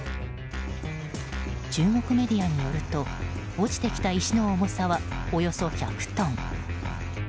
中国メディアによると落ちてきた石の重さはおよそ１００トン。